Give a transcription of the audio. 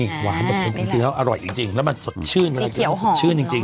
นี่หวานมากจริงแล้วอร่อยจริงแล้วมันสดชื่นเลย